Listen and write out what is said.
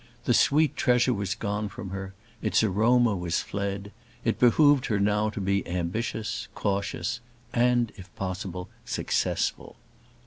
The sweet treasure was gone from her. Its aroma was fled. It behoved her now to be ambitious, cautious, and if possible successful.